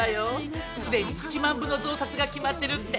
すでに１万部の増刷が決まってるって。